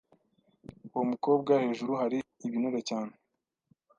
Uwo mukobwa hejuru hari ibinure cyane.